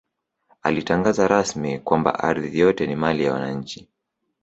Alitangaza rasmi kwamba ardhi yote ni mali ya wananchi